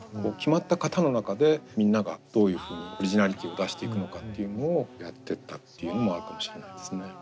決まった型の中でみんながどういうふうにオリジナリティーを出していくのかっていうのをやってったっていうのもあるかもしれないですね。